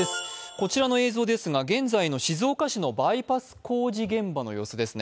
こちらの映像ですが、現在の静岡市のバイパス工事現場の様子です。